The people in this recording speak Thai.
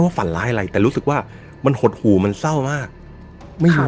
ฝันร้ายอะไรแต่รู้สึกว่ามันหดหูมันเศร้ามากไม่มี